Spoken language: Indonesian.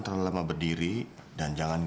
terima kasih pak